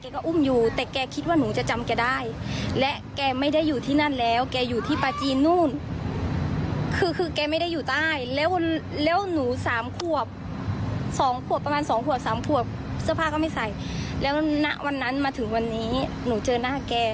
กูเห็นหมดเลยกูเห็นมาหมดอ่าประมาณนี้อ่ะค่ะ